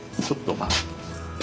ちょっとか。